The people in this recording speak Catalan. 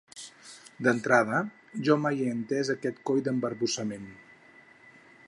D'entrada, jo mai no he entès aquest coi d'embarbussament.